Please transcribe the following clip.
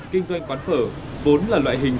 kinh doanh quán phở vốn là loại hình